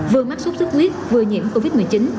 vừa mắc sốt xuất huyết vừa nhiễm covid một mươi chín